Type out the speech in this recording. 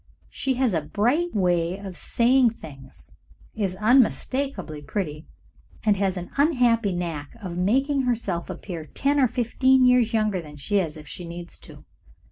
She has a bright way of saying things, is unmistakably pretty, and has an unhappy knack of making herself appear ten or fifteen years younger than she is if she needs to.